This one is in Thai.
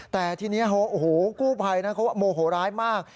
แต่ทีนี้โอ้โหกู้ภัยนะเขาโมโหร้ายมาก